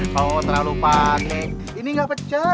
kau mau terlalu pake ini ga pecah